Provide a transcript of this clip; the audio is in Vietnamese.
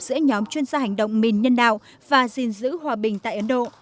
giữa nhóm chuyên gia hành động mìn nhân đạo và dình giữ hòa bình tại ấn độ